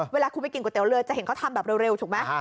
เวลาคุณไปกินก๋วเรือจะเห็นเขาทำแบบเร็วถูกไหม